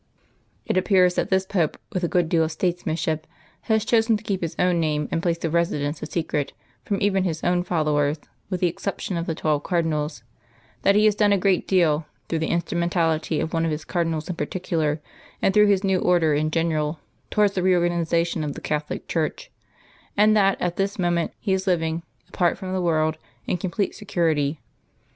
It appears that this Pope, with a good deal of statesmanship, has chosen to keep his own name and place of residence a secret from even his own followers, with the exception of the twelve cardinals; that he has done a great deal, through the instrumentality of one of his cardinals in particular, and through his new Order in general, towards the reorganisation of the Catholic Church; and that at this moment he is living, apart from the world, in complete security.